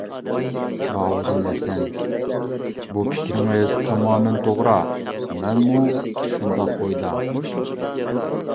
باۋۇدۇن ھەسەن: بۇ پىكرىڭىز تامامەن توغرا، مەنمۇ شۇنداق ئويدا.